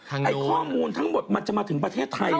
ไอ้ข้อมูลทั้งหมดมันจะมาถึงประเทศไทย